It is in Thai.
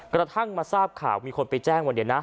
กระทั่งมาทราบข่าวมีคนไปแจ้งวันเดียวนะ